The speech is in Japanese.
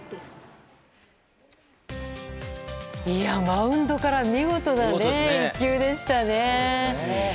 マウンドから見事な一球でしたね。